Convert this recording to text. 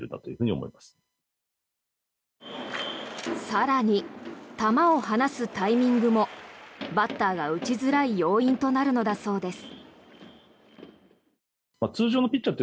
更に、球を離すタイミングもバッターが打ちづらい要因となるのだそうです。